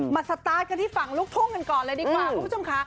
สตาร์ทกันที่ฝั่งลูกทุ่งกันก่อนเลยดีกว่าคุณผู้ชมค่ะ